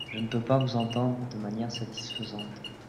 Je ne peux pas vous entendre de manière satisfaisante.